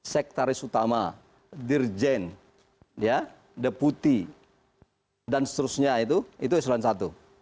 sektaris utama dirjen deputi dan seterusnya itu itu yang salah satu